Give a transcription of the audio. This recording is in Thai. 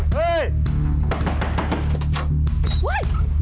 เฮ่ย